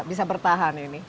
bisa bertahan ini